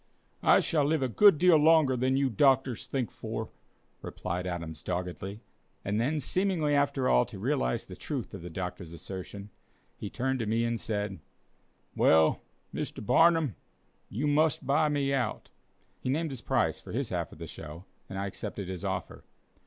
"I shall live a good deal longer than you doctors think for," replied Adams doggedly; and then, seeming after all to realize the truth of the doctor's assertion, he turned to me and said: "Well, Mr. Barnum, you must buy me out." He named his price for his half of the "show," and I accepted his offer.